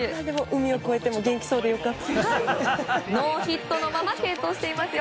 海を越えても元気そうで良かったです。